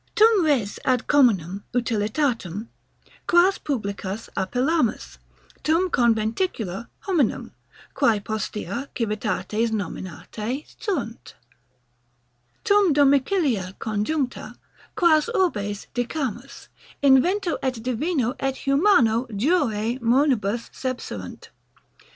Tum res ad communem utilitatem, quas publicas appellamus, tum conventicula hominum, quae postea civitates nominatae sunt, tum domicilia conjuncta, quas urbes dicamus, invento & divino & humano jure moenibus sepserunt.